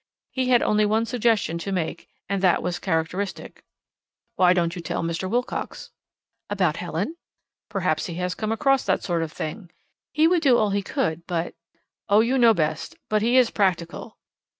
He had only one suggestion to make, and that was characteristic. "Why don't you tell Mr. Wilcox?" "About Helen?" "Perhaps he has come across that sort of thing." "He would do all he could, but " "Oh, you know best. But he is practical."